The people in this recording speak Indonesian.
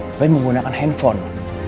tapi menggunakan handphone